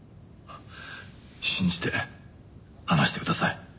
信じて話してください。